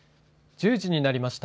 １０時になりました。